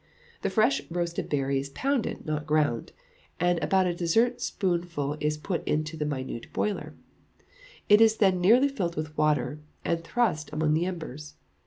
The fresh roasted berry is pounded, not ground, and about a dessertspoonful is put into the minute boiler; it is then nearly filled with water, and thrust among the embers.